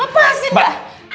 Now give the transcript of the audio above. apa sih mbak